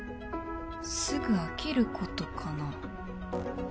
「すぐ飽きること」かな？